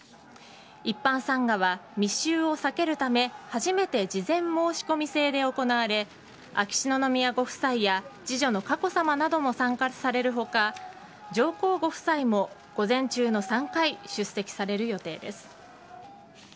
一般参賀は密集をさけるため初めて事前申し込み制で行われ秋篠宮ご夫妻や次女の佳子さまなども参加される他上皇ご夫妻も午前中の３回出席される予定です。